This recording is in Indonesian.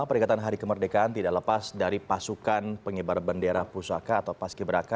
peringatan hari kemerdekaan tidak lepas dari pasukan pengibar bendera pusaka atau paski beraka